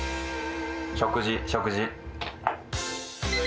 食事、食事。